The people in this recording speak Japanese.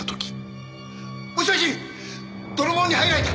もしもし泥棒に入られた！